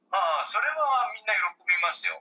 それはみんな喜びますよ。